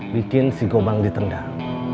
bikin si gobang ditendang